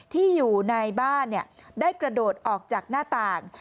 ที่อยู่ในบ้านได้กระโดดออกจากหน้าต่าง